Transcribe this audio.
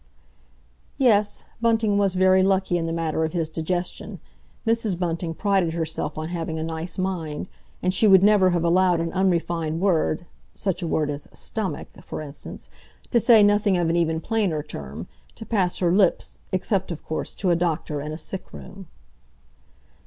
Yes, Bunting was very lucky in the matter of his digestion. Mrs. Bunting prided herself on having a nice mind, and she would never have allowed an unrefined word—such a word as "stomach," for instance, to say nothing of an even plainer term—to pass her lips, except, of course, to a doctor in a sick room.